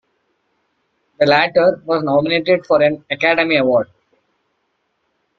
The latter was nominated for an Academy Award.